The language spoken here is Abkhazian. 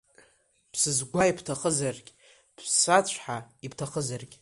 Бсызгәаа ибҭахызаргь, бсацәҳа ибҭахызаргь…